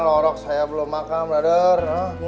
lorok saya belum makan radar